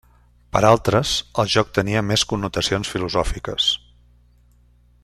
Per altres, el joc tenia més connotacions filosòfiques.